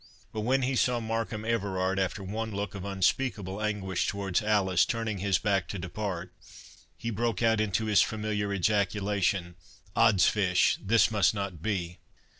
But when he saw Markham Everard, after one look of unspeakable anguish towards Alice, turning his back to depart, he broke out into his familiar ejaculation, "Oddsfish! this must not be."